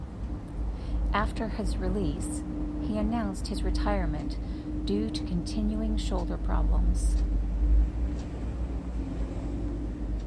After his release, he announced his retirement due to continuing shoulder problems.